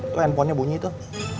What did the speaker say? itu handphonenya bunyi tuh